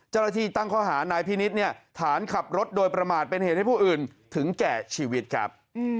เจ้าหน้าที่ตั้งข้อหานายพินิษฐ์เนี่ยฐานขับรถโดยประมาทเป็นเหตุให้ผู้อื่นถึงแก่ชีวิตครับ